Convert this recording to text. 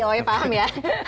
oh ya paham ya